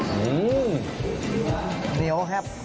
เหนียวครับ